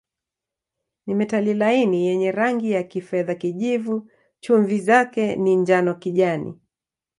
Ni metali laini yenye rangi ya kifedha-kijivu, chumvi zake ni njano-kijani.